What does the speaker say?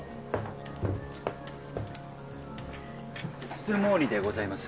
スプモーニでございます。